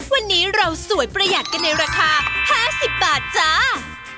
วันนี้เราสวยประหยัดกันในราคา๕๐บาทจ้า